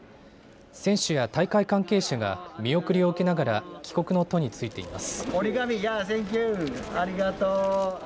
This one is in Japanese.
選手や大会関係者が見送りを受けながら帰国の途に就いています。